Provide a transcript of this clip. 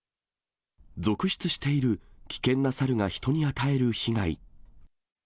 続出している危険な猿が人に与える被害。